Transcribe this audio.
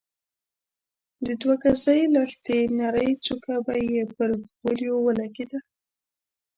د دوه ګزۍ لښتې نرۍ څوکه به يې پر وليو ولګېده.